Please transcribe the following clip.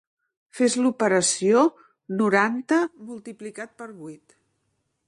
Fes l'operació noranta multiplicat per vuit.